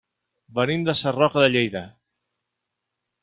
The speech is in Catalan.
Venim de Sarroca de Lleida.